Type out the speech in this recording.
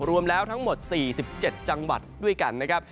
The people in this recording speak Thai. รวมแล้วทั้งหมด๔๗จังหวัดด้วยกันนะครับ